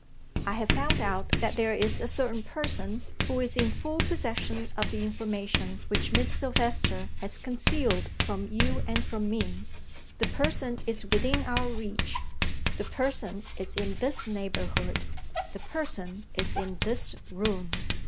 "I have found out that there is a certain person who is in full possession of the information which Miss Silvester has concealed from you and from me. The person is within our reach. The person is in this neighborhood. The person is in this room!"